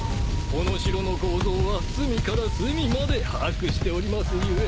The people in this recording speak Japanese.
この城の構造は隅から隅まで把握しております故。